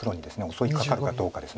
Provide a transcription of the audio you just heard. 襲いかかるかどうかです。